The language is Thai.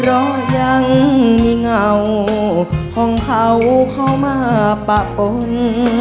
เพราะยังมีเหงาพ่องเผ่าเข้ามาปะอ่น